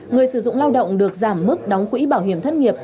người sử dụng lao động được giảm mức đóng quỹ bảo hiểm thất nghiệp